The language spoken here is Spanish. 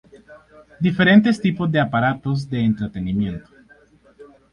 Diferentes tipos de aparatos de entrenamiento.